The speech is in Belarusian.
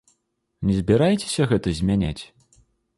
Не збіраецеся гэта змяняць?